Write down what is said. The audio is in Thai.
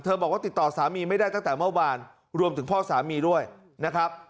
บอกว่าติดต่อสามีไม่ได้ตั้งแต่เมื่อวานรวมถึงพ่อสามีด้วยนะครับ